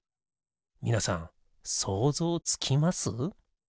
みなさんそうぞうつきます？